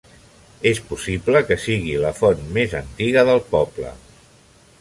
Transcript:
És possible que sigui la font més antiga del poble.